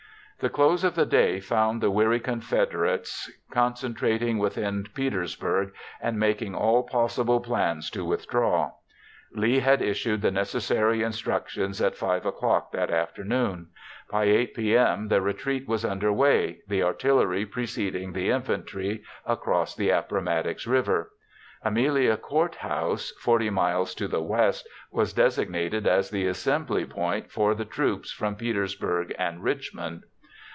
The close of the day found the weary Confederates concentrating within Petersburg and making all possible plans to withdraw. Lee had issued the necessary instructions at 5 o'clock that afternoon. By 8 p.m. the retreat was under way, the artillery preceding the infantry across the Appomattox River. Amelia Court House, 40 miles to the west, was designated as the assembly point for the troops from Petersburg and Richmond.